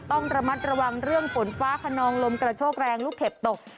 ต้องระมัดระวังเรื่องฝนฟ้าขนองลมกระโชกแรงลูกเห็บตก